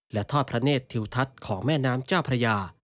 และทอดพระเนธทิวทัศน์ของแม่น้ำเจ้าพระยา